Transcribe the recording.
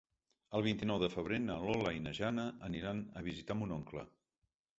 El vint-i-nou de febrer na Lola i na Jana aniran a visitar mon oncle.